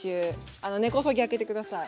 あの根こそぎ開けて下さい。